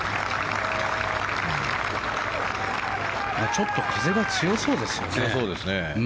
ちょっと風が強そうですよね。